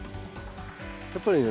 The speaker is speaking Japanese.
やっぱりね